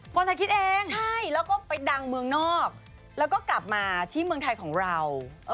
คนไทยคิดเองใช่แล้วก็ไปดังเมืองนอกแล้วก็กลับมาที่เมืองไทยของเรา